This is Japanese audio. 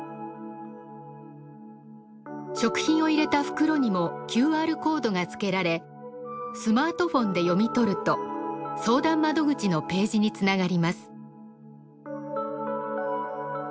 食品を入れた袋にもＱＲコードが付けられスマートフォンで読み取ると相談窓口のページにつながります。